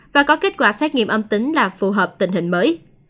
và có kết quả xét nghiệm âm tính là phù hợp tình hình mới